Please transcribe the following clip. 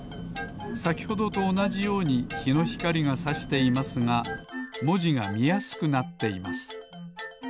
さきほどとおなじようにひのひかりがさしていますがもじがみやすくなっています